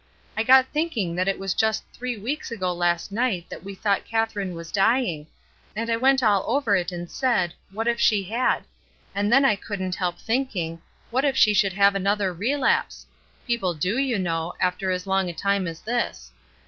I got thinking that it was just three weeks ago last night that we thought Katherine was dying, and I went all over it and said, 'What if she had!' And then I couldn't help 248 ESTER RIED'S NAMESAKE thinking : what if she should have another re lapse ! People do, you know, after as long a time as this.